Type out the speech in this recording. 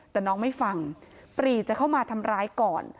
แต่น้องไม่ฟังปรีจะเข้ามาทำร้ายก่อน